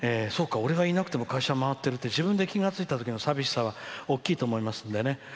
俺がいなくても会社回ってるって自分で気が付いたときの寂しさは大きいと思いますんでね。